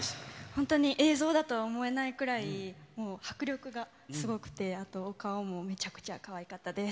本当に映像だとは思えないくらい、映像がすごくて、顔もめちゃくちゃかわいかったです。